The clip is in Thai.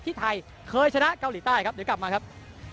ที่ไทยเคยชนะเกาหลีใต้ครับเดี๋ยวกลับมาครับ